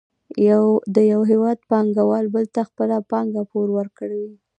د یو هېواد پانګوال بل ته خپله پانګه پور ورکوي